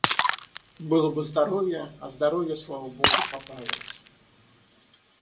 Было бы здоровье, а здоровье, слава Богу, поправилось.